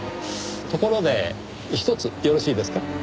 ところでひとつよろしいですか？